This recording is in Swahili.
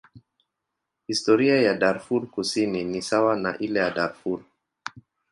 Historia ya Darfur Kusini ni sawa na ile ya Darfur.